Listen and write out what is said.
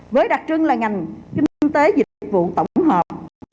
với đặc trưng là ngành kinh tế dịch vụ tổng hợp